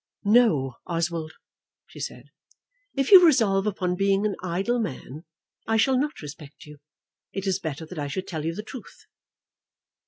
"No, Oswald," she said. "If you resolve upon being an idle man, I shall not respect you. It is better that I should tell you the truth."